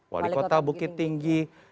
wali kota bukit tinggi